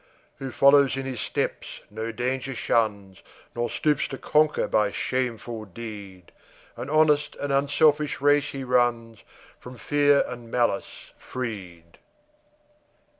Who follows in his steps no danger shuns, Nor stoops to conquer by shameful deed, An honest and and unselfish race he runs, From fear and malice freed.